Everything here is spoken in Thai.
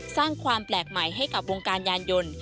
สร้างความแปลกใหม่ให้กับวงการยานยนต์